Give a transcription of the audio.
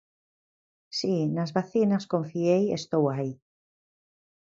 Si, nas vacinas confiei e estou aí.